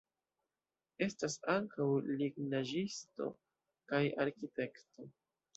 Estas ankaŭ lignaĵisto kaj arkitekto.